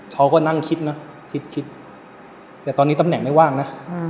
เขาก็นั่งคิดนะคิดคิดแต่ตอนนี้ตำแหน่งไม่ว่างนะ